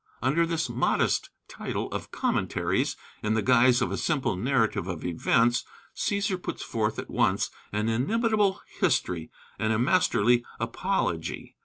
Under this modest title of 'Commentaries,' in the guise of a simple narrative of events, Cæsar puts forth at once an inimitable history and a masterly apology.